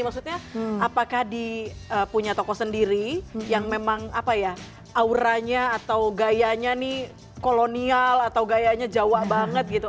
maksudnya apakah di punya toko sendiri yang memang apa ya auranya atau gayanya nih kolonial atau gayanya jawa banget gitu